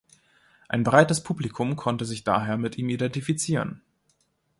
Ein breites Publikum konnte sich daher mit ihm identifizieren.